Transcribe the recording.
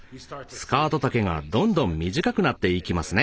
スカート丈がどんどん短くなっていきますね。